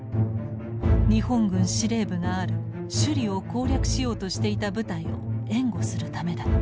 日本軍司令部がある首里を攻略しようとしていた部隊を援護するためだった。